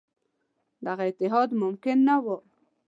دغه اتحاد ممکن نه وو.